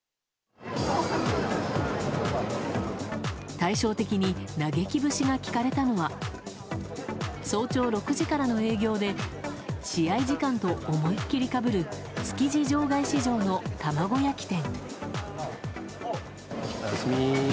対照的に嘆き節が聞かれたのは早朝６時からの営業で試合時間と思いっきりかぶる築地場外市場の卵焼き店。